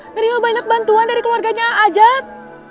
ngerima banyak bantuan dari keluarganya a'ajat